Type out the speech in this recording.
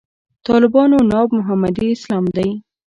طالبانو ناب محمدي اسلام دی.